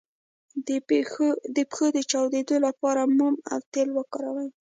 د پښو د چاودیدو لپاره موم او تېل وکاروئ